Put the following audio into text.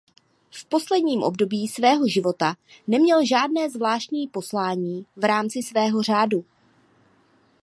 V posledním období svého života neměl žádné zvláštní poslání v rámci svého řádu.